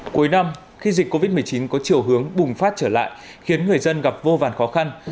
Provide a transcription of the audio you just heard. cuối năm khi dịch covid một mươi chín có chiều hướng bùng phát trở lại khiến người dân gặp vô vàn khó khăn